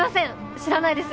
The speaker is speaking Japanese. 知らないですよね